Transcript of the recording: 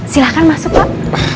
silahkan masuk pak